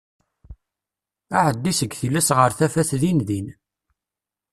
Aɛeddi seg tillas ɣer tafat din din.